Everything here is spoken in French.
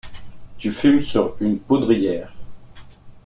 Tu fumes sur une poudrière.